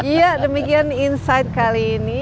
iya demikian insight kali ini